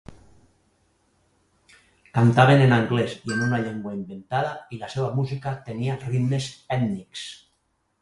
Cantaven en anglès i en una llengua inventada i la seva música tenia ritmes ètnics.